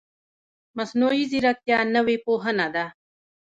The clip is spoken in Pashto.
مصنوعي ځیرکتیا نوې پوهنه ده